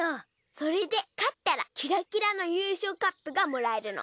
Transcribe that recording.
それで勝ったらキラキラの優勝カップがもらえるの。